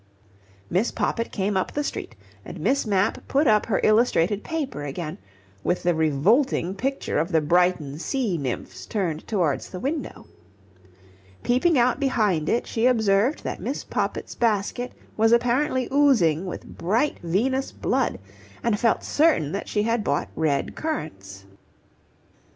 Miss Poppit came up the street and Miss Mapp put up her illustrated paper again, with the revolting picture of the Brighton sea nymphs turned towards the window. Peeping out behind it, she observed that Miss Poppit's basket was apparently oozing with bright venous blood, and felt certain that she had bought red currants.